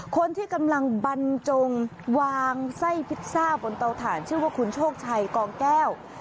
คนที่กำลังบรรจงวางไส้พิซซ่าบนเตาถ่านชื่อว่าคุณโชคชัยกองแก้ว